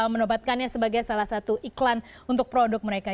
menobatkannya sebagai salah satu iklan untuk produk mereka